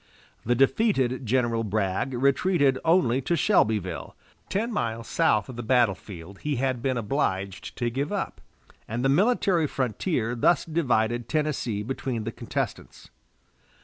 The defeated General Bragg retreated only to Shelbyville, ten miles south of the battle field he had been obliged to give up, and the military frontier thus divided Tennessee between the contestants.